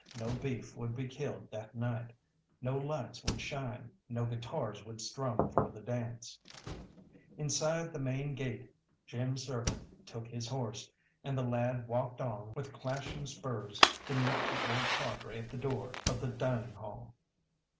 No beef would be killed that night, no lights would shine, no guitars would strum for the dance. Inside the main gate Jim's servant took his horse, and the lad walked on with clashing spurs to meet the old padre at the door of the dining hall.